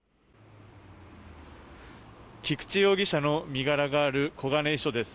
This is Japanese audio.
菊池容疑者の身柄がある小金井署です。